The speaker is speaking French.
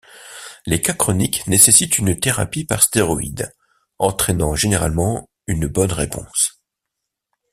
Les cas chroniques nécessitent une thérapie par stéroïdes, entraînant généralement une bonne réponse.